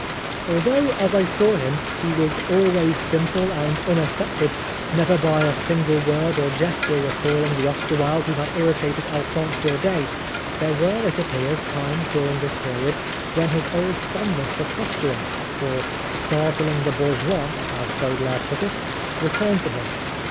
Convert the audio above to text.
Although, as I saw him, he was always simple and unaffected, never by a single word or gesture recalling the Oscar Wilde 246 Oscar Wilde who had irritated Alphonse Daudet, there were, it appears, times during this period when his old fondness for posturing, for " startling the bourgeois," as Baudelaire put it, returned to him.